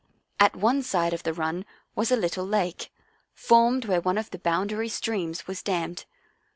At one side of the run was a little lake, formed where one of the boundary streams was dammed.